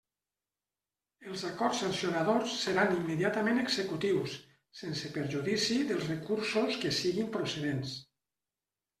Els acords sancionadors seran immediatament executius, sense perjudici dels recursos que siguen procedents.